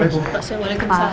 bapak saya mau lagi bersama